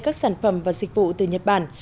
các sản phẩm và dịch vụ từ nhật bản